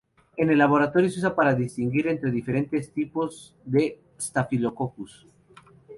En el laboratorio, se usa para distinguir entre diferentes tipos de "Staphylococcus".